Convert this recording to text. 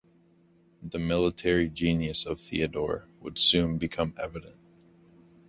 The military genius of Theodore would soon become evident.